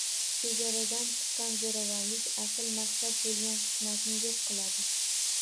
Chegaradan chiqqan zo‘ravonlik asl maqsad bo‘lgan hikmatni yo‘q qiladi.